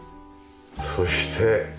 そして。